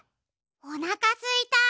おなかすいた。